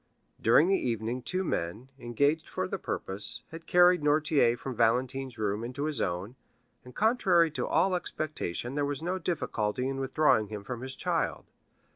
During the evening two men, engaged for the purpose, had carried Noirtier from Valentine's room into his own, and contrary to all expectation there was no difficulty in withdrawing him from his child.